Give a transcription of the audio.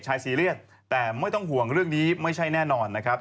ซีเรียสแต่ไม่ต้องห่วงเรื่องนี้ไม่ใช่แน่นอนนะครับ